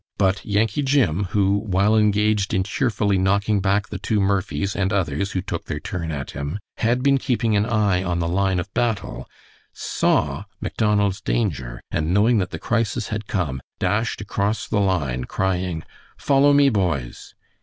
But Yankee Jim, who, while engaged in cheerfully knocking back the two Murphys and others who took their turn at him, had been keeping an eye on the line of battle, saw Macdonald's danger, and knowing that the crisis had come, dashed across the line, crying "Follow me, boys."